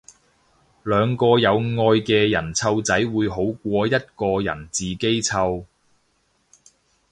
兩個有愛嘅人湊仔會好過一個人自己湊